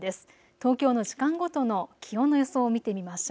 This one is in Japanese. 東京の時間ごとの気温の予想を見てみましょう。